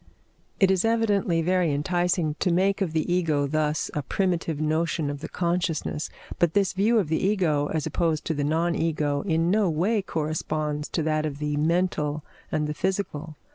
It is evidently very enticing to make of the Ego thus a primitive notion of the consciousness; but this view of the Ego as opposed to the non Ego in no way corresponds to that of the mental and the physical.